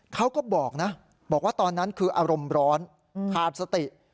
เขาก็บอกนะบอกว่าตอนนั้นคืออารมณ์ร้อนขาดสติ